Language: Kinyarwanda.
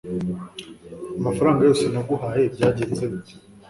amafaranga yose naguhaye byagenze bite